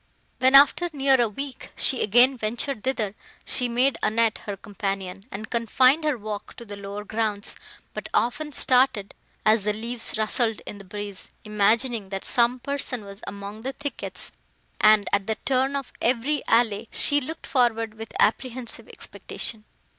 When, after near a week, she again ventured thither, she made Annette her companion, and confined her walk to the lower grounds, but often started as the leaves rustled in the breeze, imagining, that some person was among the thickets; and, at the turn of every alley, she looked forward with apprehensive expectation.